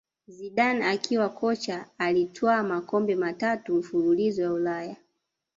Zidane akiwa kocha alitwaa makombe matatu mfululizo ya Ulaya